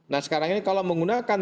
nah sekarang ini kalau menggunakan